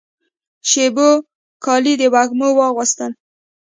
شېبو کالي د وږمو واغوستله